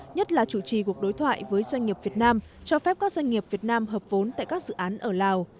nhất là chủ trì cuộc đối thoại với doanh nghiệp việt nam cho phép các doanh nghiệp việt nam hợp vốn tại các dự án ở lào